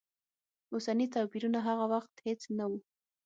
اوسني توپیرونه هغه وخت هېڅ نه و.